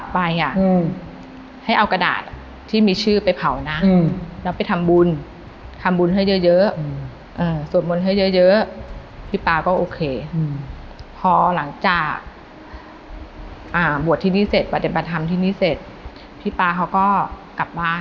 วัดเดินมาทำที่นี่เสร็จพี่ปาเขาก็กลับบ้าน